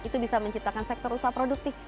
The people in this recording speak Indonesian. itu bisa menciptakan sektor usaha produktif